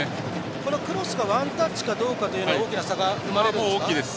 このクロスはワンタッチかどうかというのは大きな差が生まれるんですか？